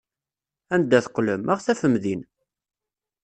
Anda teqqlem, ad ɣ-tafem din!